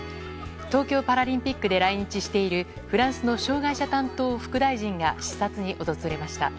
東京パラリンピックで来日しているフランスの障害者担当副大臣が視察に訪れました。